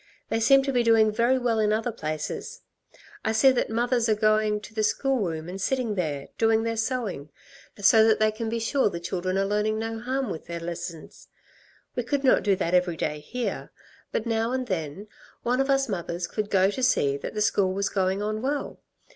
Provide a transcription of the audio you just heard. They seem to be doing very well in other places. I see that mothers are going to the school room and sitting there, doing their sewing, so that they can be sure the children are learning no harm with their lessons. We could not do that every day here, but now and then one of us mothers could go to see that the school was going on well.